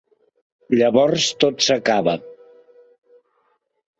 Llavors tot s'acaba.